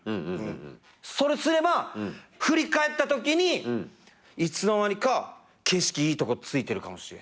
それすれば振り返ったときにいつの間にか景色いいとこ着いてるかも。